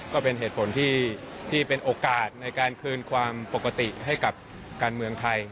ก็เป็นเหตุผลที่เป็นโอกาสในการคืนความปกติให้กับการเมืองไทย